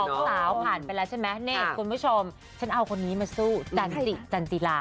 สาวผ่านไปแล้วใช่ไหมนี่คุณผู้ชมฉันเอาคนนี้มาสู้จันจิจันจิลา